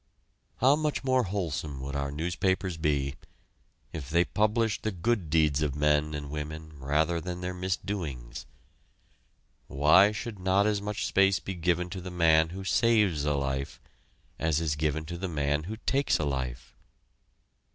How much more wholesome would our newspapers be, if they published the good deeds of men and women rather than their misdoings. Why should not as much space be given to the man who saves a life, as is given to the man who takes a life?